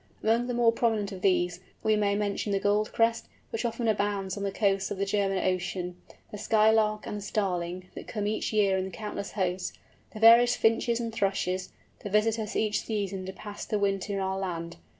Among the more prominent of these, we may mention the Goldcrest, which often abounds on the coasts of the German Ocean; the Skylark and the Starling, that come each year in countless hosts; the various Finches and Thrushes, that visit us each season to pass the winter in our land.